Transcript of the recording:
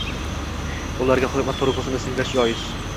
Ularga hurmat tuygʻusini singdirish joiz